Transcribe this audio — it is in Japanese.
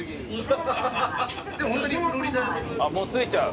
もう着いちゃう。